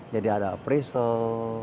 jadi ada appraisal